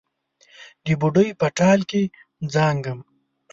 د بوډۍ په ټال کې زانګم